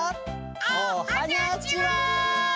おはにゃちは！